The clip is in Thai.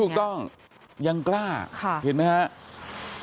ถูกต้องยังกล้าค่ะเห็นไหมฮะ